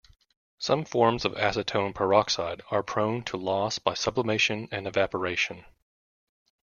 Some forms of acetone peroxide are prone to loss by sublimation and evaporation.